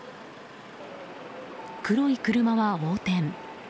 黒い車は横転。